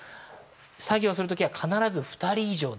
作業する時は必ず２人以上で。